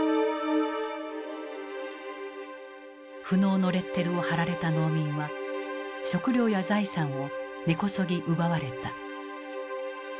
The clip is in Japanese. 富農のレッテルを貼られた農民は食糧や財産を根こそぎ奪われた。